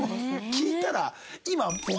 聞いたら今。